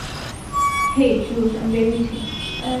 হেই, Jules, আমি বের হচ্ছি।